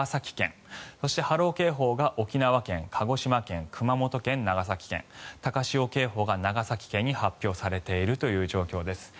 そして、波浪警報が沖縄県鹿児島県、熊本県、長崎県高潮警報が長崎県に発表されている状況です。